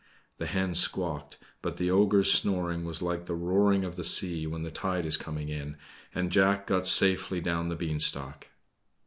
The hen squawked, but the ogre's snoring was like the roaring of the sea when the tide is coming in, and Jack got safely down the beanstalk.